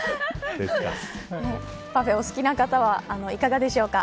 パフェがお好きな方はいかがでしょうか。